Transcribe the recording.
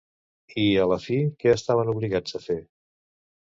I, a la fi, què estaven obligats a fer?